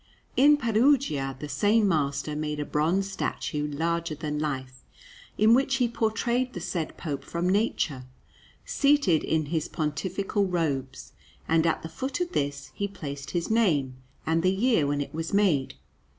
In Perugia the same master made a bronze statue larger than life, in which he portrayed the said Pope from nature, seated in his pontifical robes; and at the foot of this he placed his name and the year when it was made.